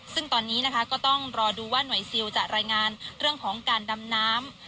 ซึ่งตอนนี้นะคะก็ต้องรอดูว่าหน่วยซิลจะรายงานเรื่องของการดำน้ำ